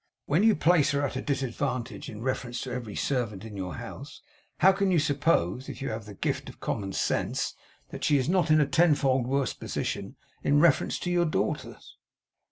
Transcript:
But when you place her at a disadvantage in reference to every servant in your house, how can you suppose, if you have the gift of common sense, that she is not in a tenfold worse position in reference to your daughters?